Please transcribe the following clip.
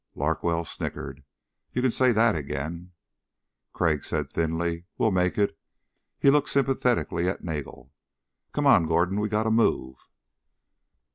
Larkwell snickered. "You can say that again." Crag said thinly: "Well make it." He looked sympathetically at Nagel. "Come on, Gordon. We gotta move."